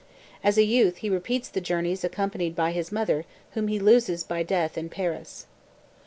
As a youth he repeats the journeys accompanied by his mother whom he loses by death in Paris.